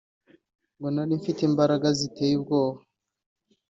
ngo nari mfite imbaraga ziteye ubwoba